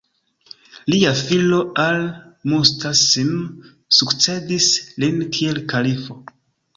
Lia filo Al-Musta'sim sukcedis lin kiel kalifo.